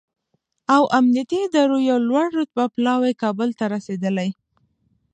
او امنیتي ادارو یو لوړ رتبه پلاوی کابل ته رسېدلی